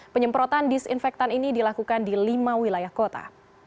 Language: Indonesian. penyemprotan disinfektan ini dilakukan di lima wilayah kota